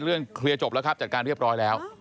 เคลียร์จบแล้วครับจัดการเรียบร้อยแล้ว